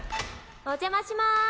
お邪魔します。